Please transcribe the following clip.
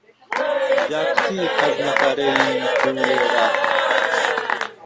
جاکوتی قەزنهفهرەی دولێره